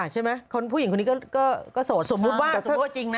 ใช่ไหมคนผู้หญิงคนนี้ก็โสดสมมุติว่าสมมุติว่าจริงนะ